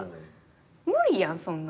無理やんそんなん。